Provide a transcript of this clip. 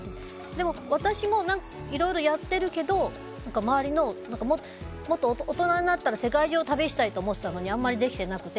でも、私もいろいろやってるけど周りの、もっと大人になったら世界中を旅したいと思ってたのにあんまりできてなくて。